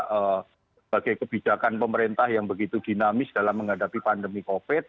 sebagai kebijakan pemerintah yang begitu dinamis dalam menghadapi pandemi covid